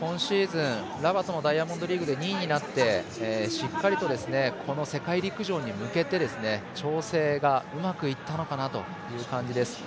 今シーズン、ラバトのダイヤモンドリーグで２位になってしっかりと世界陸上に向けて調整がうまくいったのかなという感じです。